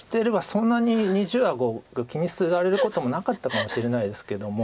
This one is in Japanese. そんなに二重あごを気にされることもなかったかもしれないですけども。